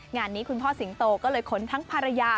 งานนี้คุณพ่อสิงโตก็เลยขนทั้งภรรยา